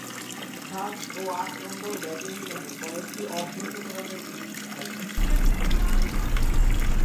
সাত ও আট নম্বরে ব্যাটিংয়ে নেমে কয়েকটি অর্ধ-শতরানের ইনিংস খেলেন।